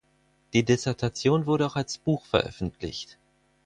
Die Dissertation wurde auch als Buch veröffentlicht.